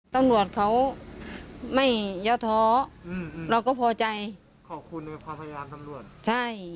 เต้าหงวดเขาไม่ยอดท้อเราก็พอใจขอคุณในที่ใช่